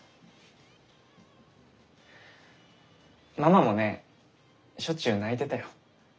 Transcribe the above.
ママもねしょっちゅう泣いてたよ。